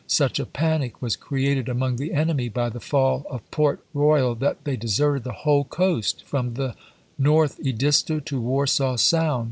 Such a panic was created among the enemy by the fall of Port Royal that they deserted the whole coast from the North Edisto to Warsaw Sound.